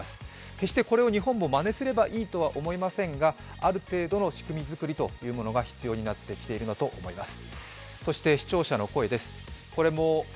決して、これを日本もまねすればいいとは思いませんがある程度の仕組み作りというものが必要になってきているのだと思います。